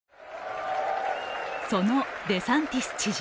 そんおデサンティス知事。